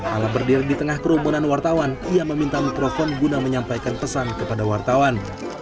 ala berdiri di tengah kerumunan wartawan ia meminta mikrofon guna menyampaikan pesan kepada wartawan